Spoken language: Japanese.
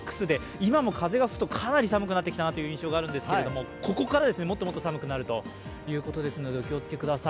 今も風が吹くとかなり寒くなってきたなという印象があるんですけどここからですね、もっともっと寒くなるということですのでお気をつけください。